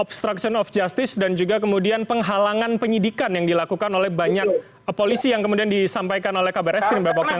obstruction of justice dan juga kemudian penghalangan penyidikan yang dilakukan oleh banyak polisi yang kemudian disampaikan oleh kabar eskrim bapak tengah